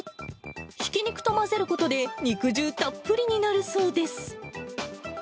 ひき肉と混ぜることで、肉汁たっぷりになるそうです。